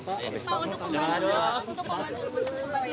pak untuk pembantunya pembantunya meninggal